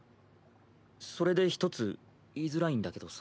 それで一つ言いづらいんだけどさ。